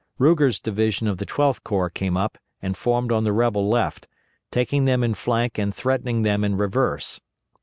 Ruger's division of the Twelfth Corps came up and formed on the rebel left, taking them in flank and threatening them in reverse.